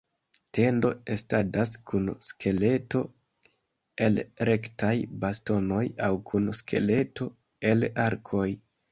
Tendo estadas kun skeleto el rektaj bastonoj aŭ kun skeleto el arkoj.